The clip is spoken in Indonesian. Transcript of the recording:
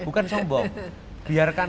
bukan sombong biarkan